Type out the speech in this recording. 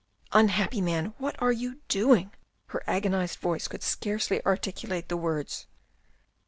" Unhappy man. What are you doing ?" Her agonised voice could scarcely articulate the words.